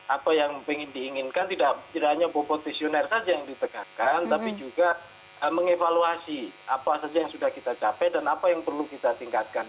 apa yang diinginkan tidak hanya bopotisioner saja yang ditegakkan tapi juga mengevaluasi apa saja yang sudah kita capai dan apa yang perlu kita tingkatkan